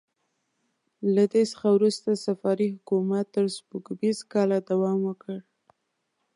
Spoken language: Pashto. له دې څخه وروسته صفاري حکومت تر سپوږمیز کاله دوام وکړ.